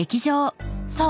そう。